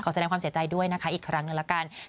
แสดงความเสียใจด้วยนะคะอีกครั้งหนึ่งละกัน